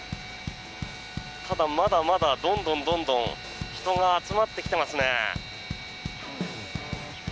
ただ、まだまだ、どんどん人が集まってきていますね。